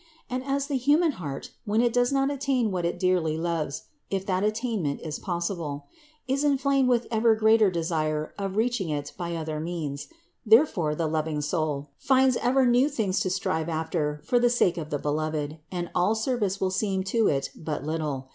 And as the human heart, when it does not attain what it dearly loves (if that attainment is possible) is inflamed with ever greater desire of reaching it by other means; therefore, the loving soul, finds ever new things to strive after for the sake of the Beloved and all service will seem to it but little.